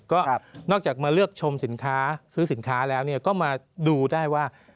ก็นอกจากมาเลือกชมสินค้าซื้อสินค้าแล้วก็มาดูได้ว่า